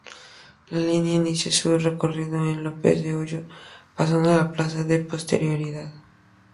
La línea inicia su recorrido en López de Hoyos, pasada la Plaza de Prosperidad.